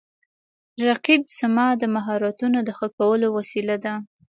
رقیب زما د مهارتونو د ښه کولو وسیله ده